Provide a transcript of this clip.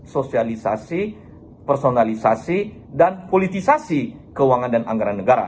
sosialisasi personalisasi dan politisasi keuangan dan anggaran negara